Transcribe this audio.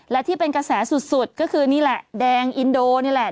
และที่เป็นกระแสสุดก็คือนี่แหละแดงอินโดนี่แหละ